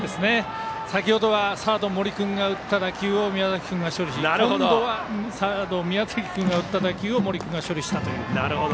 先ほどはサードの森君が打った打球を宮崎君が処理して今度はサードの宮崎君が打った打球を森君が処理したという。